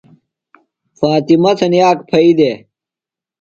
فاطمہ تھنیۡ آک پھئی دےۡ۔